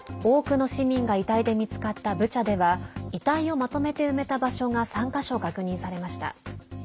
多くの市民が遺体で見つかったブチャでは遺体をまとめて埋めた場所が３か所確認されました。